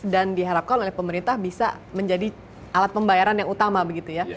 dan diharapkan oleh pemerintah bisa menjadi alat pembayaran yang utama begitu ya